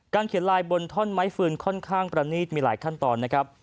เขียนลายบนท่อนไม้ฟืนค่อนข้างประณีตมีหลายขั้นตอนนะครับ